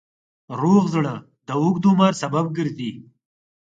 روغ زړه د اوږد عمر سبب ګرځي.